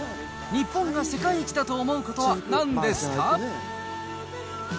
日本が世界一だと思うことはなんですか？